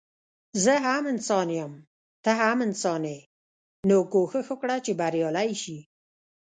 زه هم انسان يم ته هم انسان يي نو کوښښ وکړه چي بريالی شي